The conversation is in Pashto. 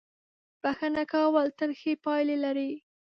• بښنه کول تل ښې پایلې لري.